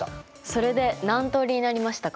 それで何通りになりましたか？